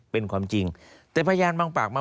เป็นความจริงแต่พยานบางปากมา